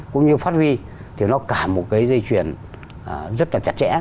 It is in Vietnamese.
cũng như phát huy thì nó cả một cái dây chuyển rất là chặt chẽ